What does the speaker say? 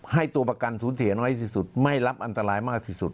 ให้ตัวประกันสูญเสียน้อยที่สุดไม่รับอันตรายมากที่สุด